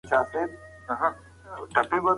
تاسو باید د وطن د پرمختګ لپاره هڅه وکړئ.